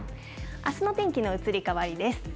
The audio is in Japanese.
あすの天気の移り変わりです。